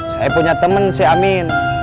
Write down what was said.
saya punya teman si amin